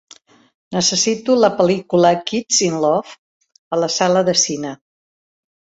Necessito la pel·lícula "Kids in Love" a la sala de cine.